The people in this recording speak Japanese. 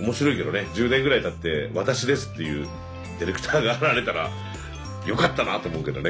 面白いけどね１０年ぐらいたって「私です」っていうディレクターが現れたらよかったなと思うけどね